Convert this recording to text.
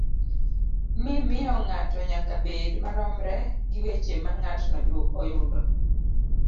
mimiyo ng'ato nyaka bed maromre gi weche ma ng'atno oyudo.